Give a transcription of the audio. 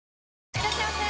いらっしゃいませ！